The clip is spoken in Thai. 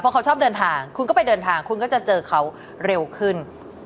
เพราะเขาชอบเดินทางคุณก็ไปเดินทางคุณก็จะเจอเขาเร็วขึ้น